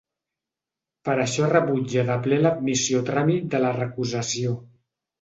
Per això rebutja de ple l’admissió a tràmit de la recusació.